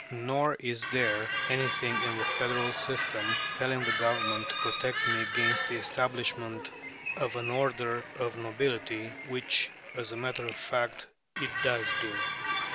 Nor is there anything in the federal system compelling the Government to protect me against the establishment of an order of nobility, which, as a matter of fact, it does do.